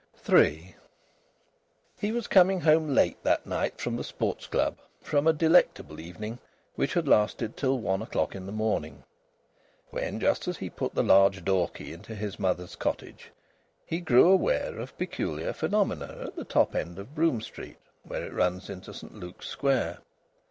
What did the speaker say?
III He was coming home late that night from the Sports Club, from a delectable evening which had lasted till one o'clock in the morning, when just as he put the large door key into his mother's cottage he grew aware of peculiar phenomena at the top end of Brougham Street, where it runs into St Luke's Square.